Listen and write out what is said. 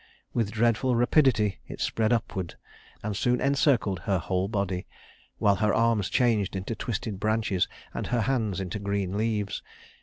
With dreadful rapidity it spread upward, and soon encircled her whole body, while her arms changed into twisted branches and her hands into green leaves.